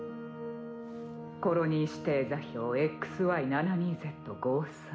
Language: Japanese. ・コロニー指定座標ＸＹ７２Ｚ５３。